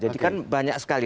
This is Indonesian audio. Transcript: jadi kan banyak sekali